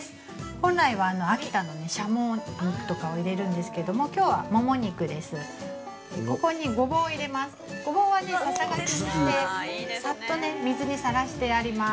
本来は、秋田のしゃも肉とかを入れるんですけどもきょうは、もも肉です。